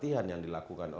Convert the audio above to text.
dimilikkan dengan kesiapan